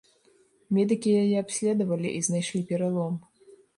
Медыкі яе абследавалі і знайшлі пералом.